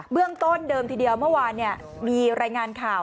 เรื่องต้นเดิมทีเดียวเมื่อวานมีรายงานข่าว